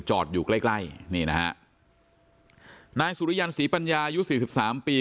อยู่ใกล้ใกล้นี่นะฮะนายสุริยันศรีปัญญาอายุสี่สิบสามปี